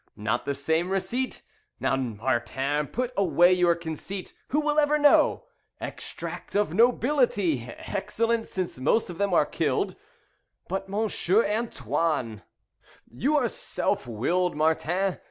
Not the same receipt? Now, Martin, put away your conceit. Who will ever know? 'Extract of Nobility' excellent, since most of them are killed." "But, Monsieur Antoine " "You are self willed, Martin.